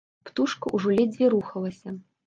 Птушка ўжо ледзьве рухалася.